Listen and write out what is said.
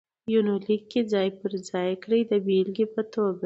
يونليک کې ځاى په ځاى کړي د بېلګې په توګه: